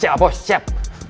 siap pak bos siap